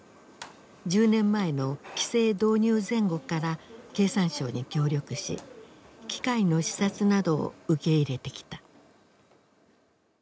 １０年前の規制導入前後から経産省に協力し機械の視察などを受け入れてきた。